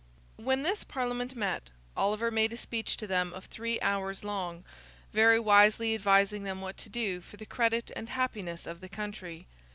When this Parliament met, Oliver made a speech to them of three hours long, very wisely advising them what to do for the credit and happiness of the country.